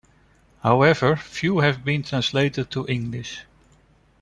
However, few have ever been translated into English.